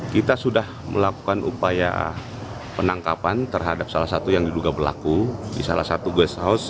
kita sudah melakukan upaya penangkapan terhadap salah satu yang diduga pelaku di salah satu gost house